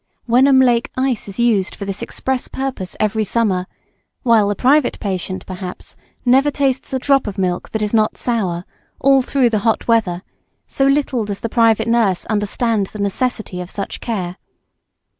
Wenham Lake ice is used for this express purpose every summer, while the private patient, perhaps, never tastes a drop of milk that is not sour, all through the hot weather, so little does the private nurse understand the necessity of such care.